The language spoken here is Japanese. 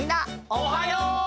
おはよう！